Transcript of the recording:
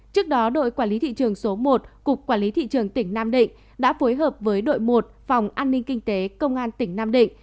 trước đó đội quản lý thị trường số một cục quản lý thị trường tỉnh nam định đã phối hợp với đội một phòng an ninh kinh tế công an tỉnh nam định